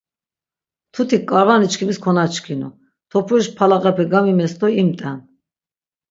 Mtutik k̆arvaniçkimis konaçkinu, topuriş palağape gamimes do imt̆en.